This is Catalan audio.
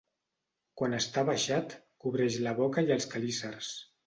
Quan està abaixat cobreix la boca i els quelícers.